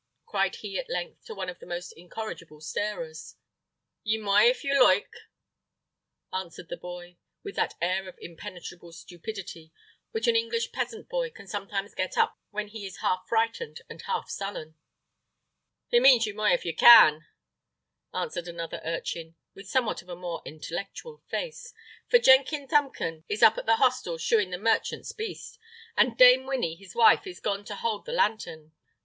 cried he at length to one of the most incorrigible starers. "Ye moy, if ye loyke," answered the boy, with that air of impenetrable stupidity which an English peasant boy can sometimes get up when he is half frightened and half sullen. "He means ye moy if ye can," answered another urchin, with somewhat of a more intellectual face: "for Jenkin Thumpum is up at the hostel shoeing the merchant's beast, and Dame Winny, his wife, is gone to hold the lantern. He! he! he!" "Ha!